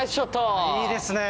いいですね。